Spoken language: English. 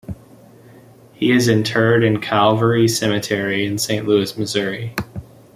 He is interred in Calvary Cemetery in Saint Louis, Missouri.